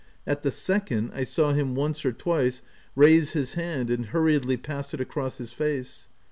At the second, I saw him, once or twice, raise his hand and hurriedly pass it across his face.